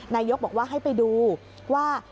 นายกบอกว่าให้ไปดูว่า